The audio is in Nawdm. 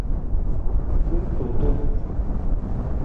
Lem cuutung.